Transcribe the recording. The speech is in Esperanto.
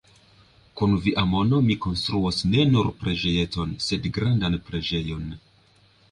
Kun via mono mi konstruos ne nur preĝejeton, sed grandan preĝejon.